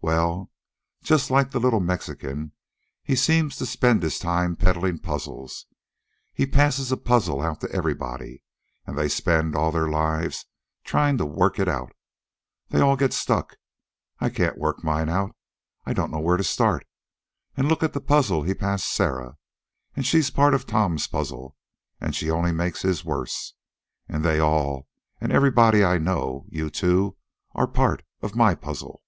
"Well, just like the little Mexican, he seems to spend his time peddling puzzles. He passes a puzzle out to everybody, and they spend all their lives tryin' to work it out. They all get stuck. I can't work mine out. I don't know where to start. And look at the puzzle he passed Sarah. And she's part of Tom's puzzle, and she only makes his worse. And they all, an' everybody I know you, too are part of my puzzle."